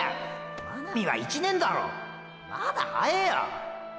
真波は１年だろまだはえーよ！！